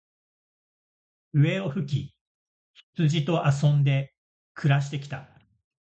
笛を吹き、羊と遊んで暮して来た。